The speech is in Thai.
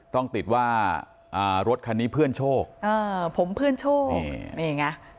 ต้องติดว่าอ่ารถคันนี้เพื่อนโชคผมเพื่อนโชคนี่ไง